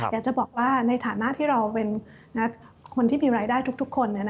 อยากจะบอกว่าในฐานะที่เราเป็นคนที่มีรายได้ทุกคน